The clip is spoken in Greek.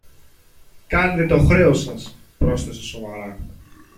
Κάνετε το χρέος σας, πρόσθεσε σοβαρά.